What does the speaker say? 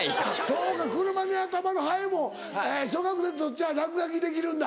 そうか車にたまる灰も小学生にとっちゃ落書きできるんだ。